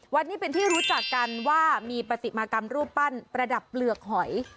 นี้เป็นที่รู้จักกันว่ามีปฏิมากรรมรูปปั้นประดับเปลือกหอย